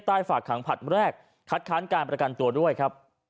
ฝากขังผลัดแรกคัดค้านการประกันตัวด้วยครับ